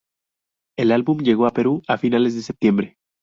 El álbum llegó a Perú a finales de septiembre.